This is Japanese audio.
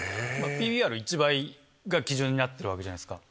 ＰＢＲ１倍が基準になってるわけじゃないですか。